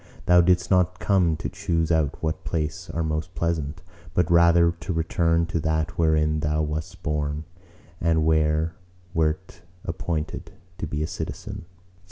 Thou didst not come to choose out what places are most pleasant; but rather to return to that wherein thou wast born and where wert appointed to be a citizen."